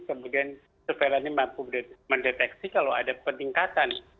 kemudian surveillannya mampu mendeteksi kalau ada peningkatan